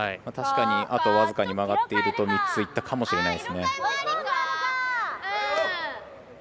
確かにあと僅かに曲がっていると３つ、いったかもしれないですね。